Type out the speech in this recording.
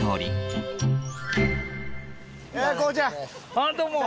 ああどうも。